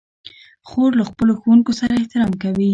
خور له خپلو ښوونکو سره احترام کوي.